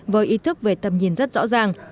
với ý thức về tầm nhìn rất rõ ràng